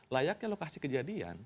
layaknya lokasi kejadian